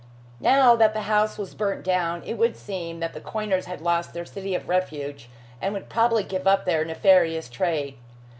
Now that the house was burnt down, it would seem that the coiners had lost their city of refuge, and would probably give up their nefarious trade.